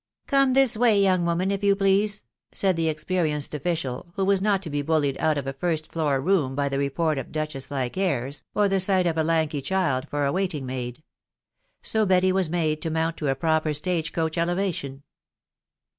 " Come this way, young woman, if you please," amid the experienced official, who was not to be bullied out of a first floor room by the report of duchess like airs, or the sight of a lanky child for a waiting maid. So Betty was made to mount to a proper stage coach elevation.